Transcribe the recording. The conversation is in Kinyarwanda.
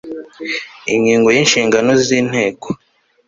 ingingo ya inshingano z inteko